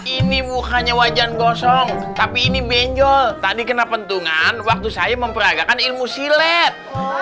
ini bukannya wajan gosong tapi ini benjol tadi kena pentungan waktu saya memperagakan ilmu silet